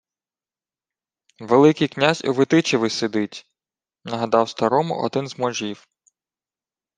— Великий князь у Витичеві сидить, — нагадав старому один з можів.